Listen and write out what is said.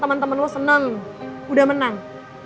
temen temen lo seneng udah menang